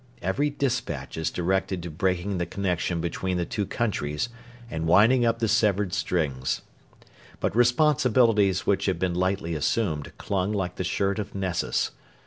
Every despatch is directed to breaking the connection between the two countries and winding up the severed strings. But responsibilities which had been lightly assumed clung like the shirt of Nessus.